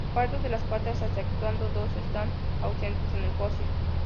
Partes de las patas, exceptuando dos, están ausentes en el fósil.